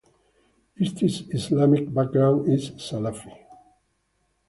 Estes's Islamic background is Salafi.